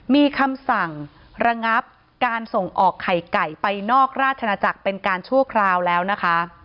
มีคำสั่งระงับการส่งออกไข่ไก่ไปนอกราชนาจักรเป็นการชั่วคราวแล้วนะคะ